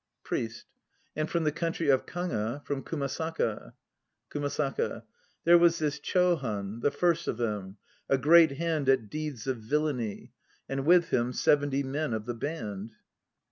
PRIEST. And from the country of Kaga, from Kumasaka KUMASAKA. There was this Chohan, the first of them, a great hand at deeds of villainy; and with him seventy men of the band.